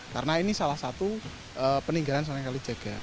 karena ini salah satu peninggalan sunan kalijaga